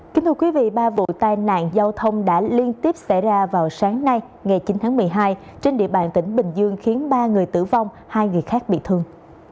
kính thưa quý vị ba vụ tai nạn giao thông đã liên tiếp xảy ra vào sáng nay ngày chín tháng một mươi hai trên địa bàn tỉnh bình dương khiến ba người tử vong hai người khác bị thương